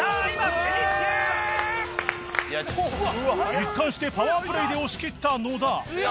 一貫してパワープレーで押しきった野田